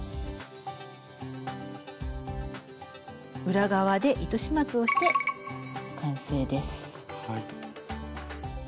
裏側で糸始末をして完成です。